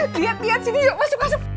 liat liat sini yuk masuk masuk